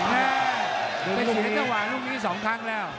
ก็เสียเจ้าหวังตรงนี้๒ครั้งแล้ว